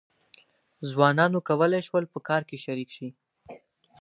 ځوانانو کولای شول په کار کې شریک شي.